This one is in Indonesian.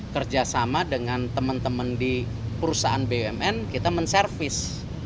kerjasama dengan teman teman di perusahaan bumn kita menservis